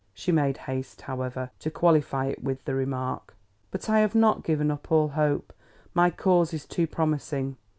She made haste, however, to qualify it with the remark: "But I have not given up all hope. My cause is too promising.